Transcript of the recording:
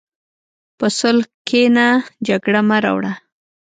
په صلح کښېنه، جګړه مه راوړه.